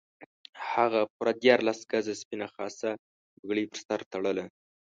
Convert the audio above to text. هغه پوره دیارلس ګزه سپینه خاصه پګړۍ پر سر تړله.